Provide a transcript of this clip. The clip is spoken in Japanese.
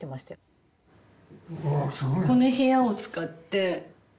この部屋を使って。